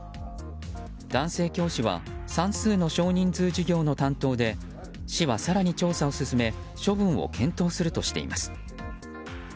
男性教師は算数の少人数授業の担当で市は更に調査を進め処分を検討するとしています。